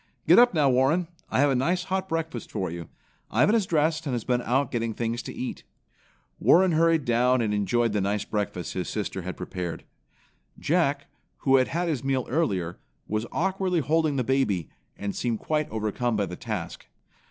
Get up now, Warren, I have a nice hot breakfast for you. Ivan is dressed and has been out getting things to eat." Warren hurried down and enjoyed the nice breakfast his sister had prepared. Jack, who had had his meal earlier, was awkwardly holding the baby, and seemed quite overcome by the task.